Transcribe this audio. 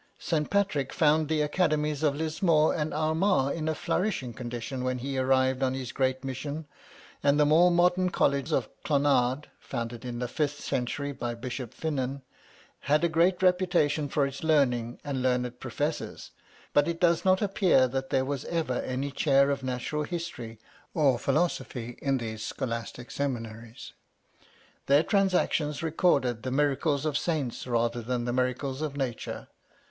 St. Patrick found the Academies of Lismore and Armagh in a flourishing condition, when he arrived on his great mission; and the more modern College of Clonard (founded in the fifth century by Bishop Finnan), had a great reputation for its learning and learned professors. But it does not appear that there was any Chair of Natural History or Philosophy in these scholastic Seminaries. Their Transactions recorded the miracles of saints rather than the miracles of nature.